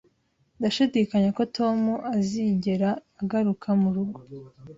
Ndashidikanya ko Tom azigera agaruka murugo